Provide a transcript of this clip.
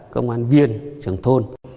công an viên trưởng thôn